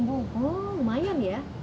oh lumayan ya